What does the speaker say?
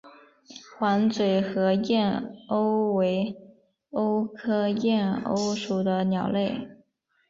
黄嘴河燕鸥为鸥科燕鸥属的鸟类。